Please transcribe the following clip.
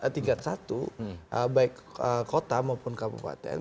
tingkat satu baik kota maupun kabupaten